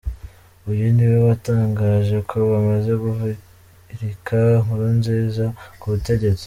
Uyu niwe watangaje ko bamaze guhirika Nkurunziza ku butegetsi.